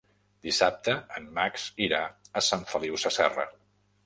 Dissabte en Max irà a Sant Feliu Sasserra.